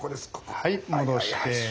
はい戻して。